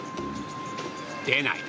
出ない。